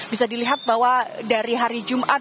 bisa dilihat bahwa dari hari jumat